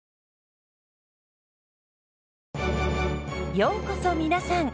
ようこそ皆さん。